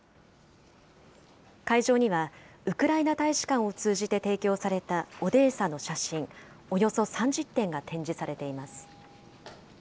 会場には、ウクライナ大使館を通じて提供されたオデーサの写真、およそ３０点が展示されています。